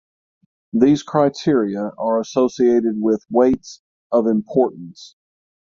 These criteria are associated with weights of importance.